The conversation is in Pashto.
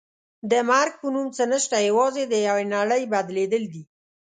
د مرګ په نوم څه نشته یوازې د یوې نړۍ بدلېدل دي.